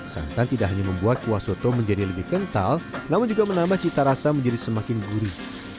santan tidak hanya membuat kuah soto menjadi lebih kental namun juga menambah cita rasa menjadi semakin gurih